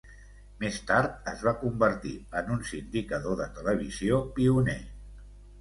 Més tard es va convertir en un sindicador de televisió pioner.